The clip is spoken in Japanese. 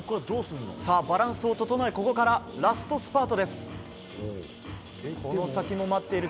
バランスを整えてここからラストスパート。